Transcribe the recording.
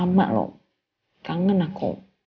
emberapa lu kangen aku